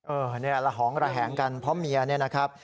เนี่ยระหองระแหงกันเพราะเมียเนี่ยนะครับ